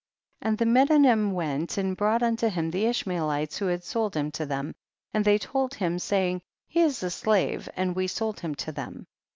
9. And the Medanim went and brought unto him the Ishmaelites who had sold him to them, and they told him, saying, he is a slave and we sold him to them.